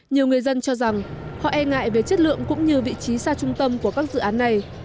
nhiều người dân cho rằng họ e ngại về chất lượng cũng như vị trí xa trung tâm của các dự án này